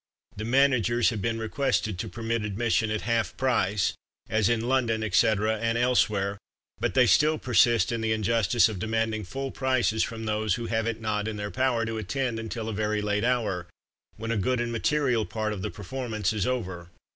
THE MANAGERS Have been requested to permit admission at HALF PRICE, As in London, etc. (and elsewhere), but they still persist in the injustice of demanding FULL PRICES, from those who have it not in their power to attend until a very late hour, when a good and material part of the performance is over!